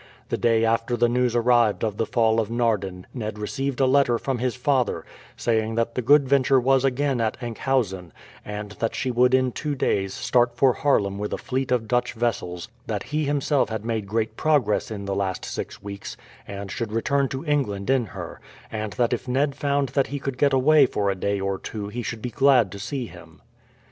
The day after the news arrived of the fall of Naarden Ned received a letter from his father, saying that the Good Venture was again at Enkhuizen, and that she would in two days start for Haarlem with a fleet of Dutch vessels; that he himself had made great progress in the last six weeks, and should return to England in her; and that if Ned found that he could get away for a day or two he should be glad to see him.